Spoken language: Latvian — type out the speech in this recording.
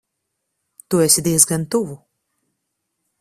Tu esi diezgan tuvu.